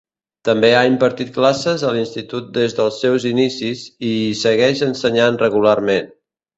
També ha impartit classes a l'institut des dels seus inicis i hi segueix ensenyant regularment.